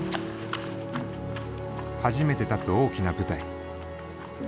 初めて立つ大きな舞台。